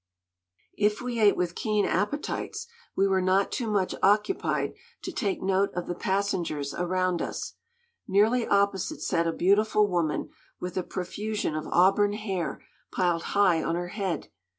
If we ate with keen appetites, we were not too much occupied to take note of the passengers around us. Nearly opposite sat a beautiful woman with a profusion of auburn hair piled high on her head.